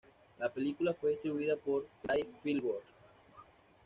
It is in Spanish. La película fue distribuida por Sentai Filmworks.